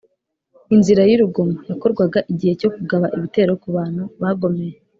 inzira y’urugomo: yakorwaga igihe cyo kugaba ibitero ku bantu bagomeye